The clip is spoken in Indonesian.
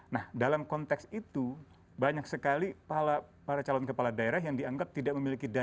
nah dalam konteks itu banyak sekali para calon kepala daerah yang dianggap tidak memiliki dana